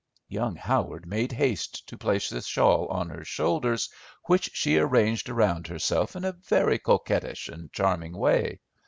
Young Howard made haste to place the shawl on her shoulders, which she arranged around herself in a very coquettish and charming way.